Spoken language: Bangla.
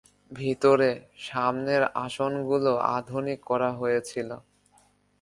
ভিতরে, সামনের আসনগুলো আধুনিক করা হয়েছিল।